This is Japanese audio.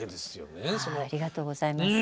ねえもうありがとうございます。